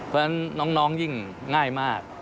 เพราะฉะนั้นน้องยิ่งง่ายมาก